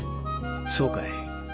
そうかい。